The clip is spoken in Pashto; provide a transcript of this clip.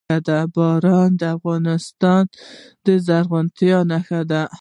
باران د افغانستان د زرغونتیا یوه نښه ده.